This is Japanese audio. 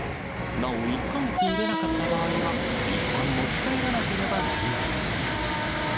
なお、１か月売れなかった場合は、いったん持ち帰らなければなりません。